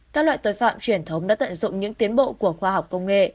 các loại tội phạm truyền thống đã tận dụng những tiến bộ của khoa học công nghệ